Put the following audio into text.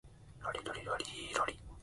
ロリロリローリロリ